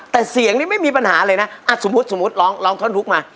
แต่เสียงนี้ไม่มีปัญหาเลยนะสมมุติร้องท่อนทุกข์มา